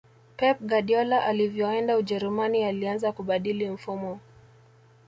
pep guardiola alivyoenda ujerumani alianza kubadili mfumo